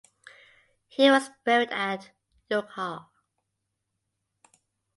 He was buried at Youghal.